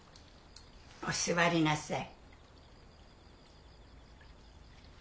お座りなさい。